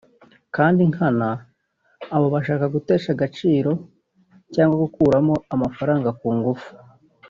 kandi nkana; abo bashaka gutesha agaciro cyangwa gukuramo amafaranga ku ngufu